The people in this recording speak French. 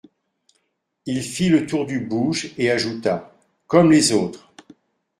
Il fit le tour du bouge et ajouta : Comme les autres.